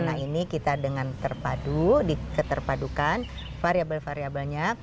nah ini kita dengan terpadu diketerpadukan variable variabelnya